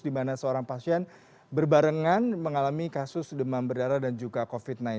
di mana seorang pasien berbarengan mengalami kasus demam berdarah dan juga covid sembilan belas